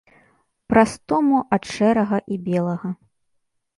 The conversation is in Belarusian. Пра стому ад шэрага і белага.